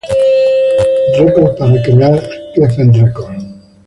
Records para crear Geffen Records.